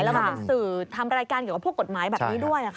แล้วก็เป็นสื่อทำรายการเกี่ยวกับพวกกฎหมายแบบนี้ด้วย